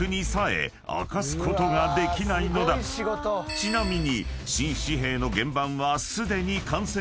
［ちなみに］